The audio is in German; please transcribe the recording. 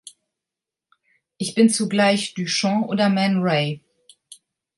Ich bin zugleich Duchamp oder Man Ray.